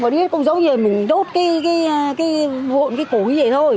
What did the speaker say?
mà đi không giống như mình đốt cái vộn cái cổ như vậy thôi